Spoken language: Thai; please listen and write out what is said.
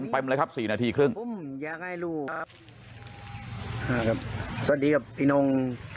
ปริ้มเลยครับสี่นาทีครึ่ง